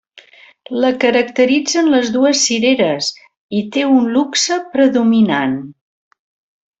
La caracteritzen les dues cireres i té un luxe predominant.